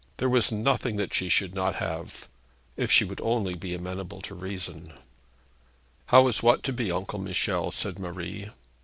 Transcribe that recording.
There was nothing she should not have, if she would only be amenable to reason. 'How is what to be, Uncle Michel?' said Marie.